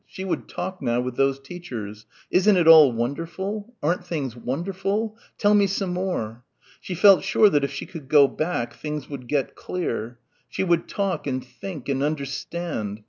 She would talk now with those teachers.... Isn't it all wonderful! Aren't things wonderful! Tell me some more.... She felt sure that if she could go back, things would get clear. She would talk and think and understand....